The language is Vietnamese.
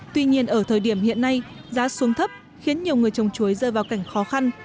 tuy nhiên ở thời điểm hiện nay giá xuống thấp khiến nhiều người trồng chuối rơi vào cảnh khó khăn